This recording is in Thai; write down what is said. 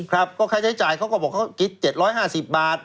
ครับก็ค่าใช้จ่ายเขาก็บอกเขาคิด๗๕๐บาท